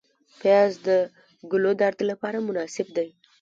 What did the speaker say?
پیاز د ګلودرد لپاره مناسب دی